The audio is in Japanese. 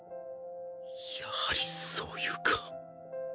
やはりそういうか